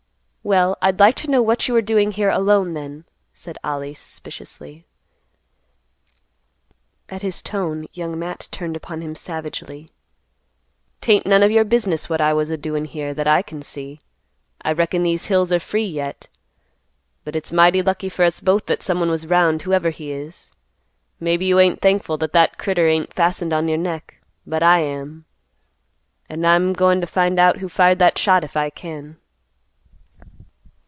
"Well, I'd like to know what you were doing here alone, then;" said Ollie suspiciously. At his tone, Young Matt turned upon him savagely, "'Tain't none of your business, what I was a doin' here, that I can see. I reckon these hills are free yet. But it's mighty lucky for us both that someone was 'round, whoever he is. Maybe you ain't thankful that that critter ain't fastened on your neck. But I am. An' I'm goin' to find out who fired that shot if I can."